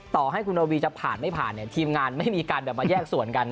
ต่อให้คุณธุรกันไม่ผ่านทีมงานไม่มีกันเพื่อแยกส่วนกัน